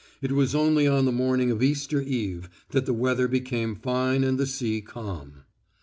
It was only on the morning of Easter Eve that the weather became fine and the sea calm.